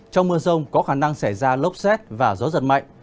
trong mưa rông có khả năng xảy ra lốc xét và gió giật mạnh